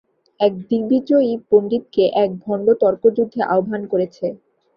এক দিগ্বিজয়ী পণ্ডিতকে এক ভণ্ড তর্কযুদ্ধে আহ্বান করেছে।